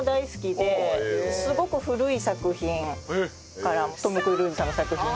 すごく古い作品からトム・クルーズさんの作品とか。